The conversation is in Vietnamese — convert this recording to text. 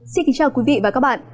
xin kính chào quý vị và các bạn